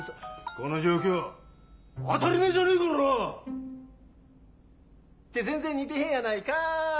「この状況当たり前じゃねえからな！」。って全然似てへんやないかい！